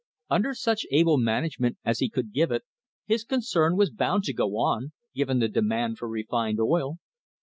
Under such able management as he could give it his concern was bound to go on, given the demand for refined oil.